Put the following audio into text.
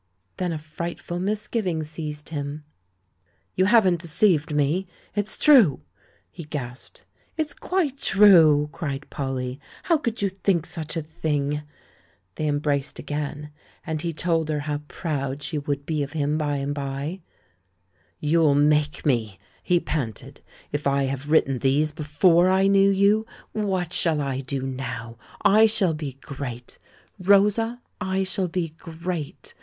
Then a frightful misgiving seized him. "You haven't deceived me — it's true?" he gasped. "It's quite true!" cried Polly. "How could you think such a thing?" They embraced again, and he told her how proud she should be of him by and by. "You'll 'make' me!" he panted. "If I have written these before I knew you, what shall I do now? I shall be great; Rosa, I shall be great.